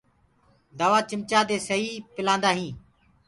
دوآ چمچآ دي سئي پلآندآ هينٚ۔